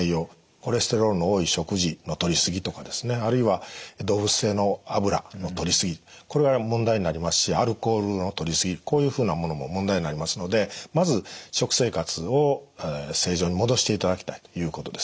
コレステロールの多い食事のとりすぎとかですねあるいは動物性の油のとりすぎこれは問題になりますしアルコールのとりすぎこういうふうなものも問題になりますのでまず食生活を正常に戻していただきたいということです。